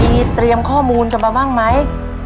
มีเตรียมข้อมูลกันมาบ้างไหม